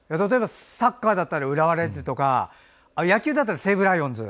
サッカーだったら浦和レッズとか野球だったら埼玉西武ライオンズ？